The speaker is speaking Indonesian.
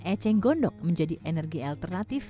eceng gondok menjadi energi alternatif